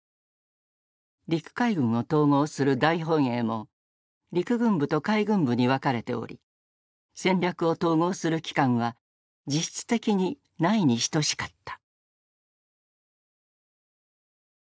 陸海軍を統合する大本営も陸軍部と海軍部に分かれており戦略を統合する機関は実質的にないに等しかった。